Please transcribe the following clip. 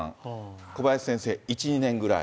小林先生、１、２年ぐらい。